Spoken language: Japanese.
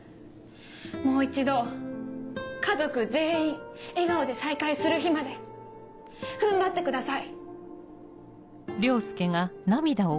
もう一度家族全員笑顔で再会する日まで踏ん張ってください。